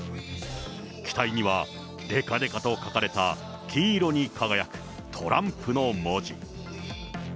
機体には、でかでかと書かれた、金色に輝くトランプの文字。